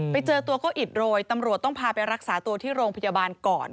ไปเจอตัวก็อิดโรยตำรวจต้องพาไปรักษาตัวที่โรงพยาบาลก่อน